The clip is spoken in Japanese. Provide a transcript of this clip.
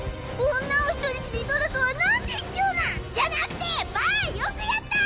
女を人質に取るとはなんて卑怯なじゃなくてバンよくやった！